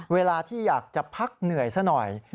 เวลาที่อยากจะพักเหนื่อยซะหน่อย